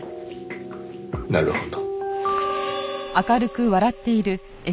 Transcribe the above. なるほど。